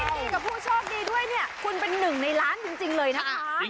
กินกับผู้โชคดีด้วยเนี่ยคุณเป็นหนึ่งในล้านจริงเลยนะคะ